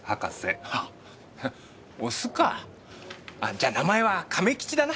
じゃ名前はカメ吉だな。